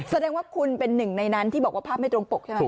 แสดงว่าคุณเป็นหนึ่งในนั้นที่บอกว่าภาพไม่ตรงปกใช่ไหม